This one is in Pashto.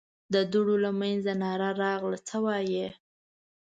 د دوړو له مينځه ناره راغله: څه وايې؟